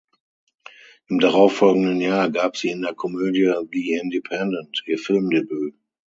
Im darauffolgenden Jahr gab sie in der Komödie "The Independent" ihr Filmdebüt.